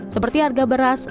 seperti harga beras